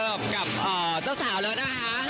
เอาล่ะเดี๋ยวไปเจอกับเจ้าสาวแล้วนะคะ